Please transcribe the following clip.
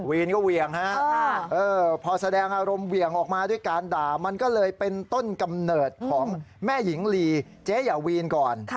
วีนก็เหวี่ยงฮะพอแสดงอารมณ์เหวี่ยงออกมาด้วยการด่ามันก็เลยเป็นต้นกำเนิดของแม่หญิงลีเจ๊ยาวีนก่อน